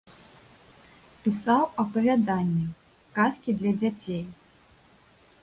Пісаў апавяданні, казкі для дзяцей.